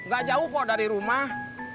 gak jauh kok dari rumah